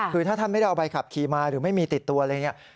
คือถ้าท่านไม่ได้เอาใบขับขี่มาหรือไม่มีติดตัวอะไรอย่างนี้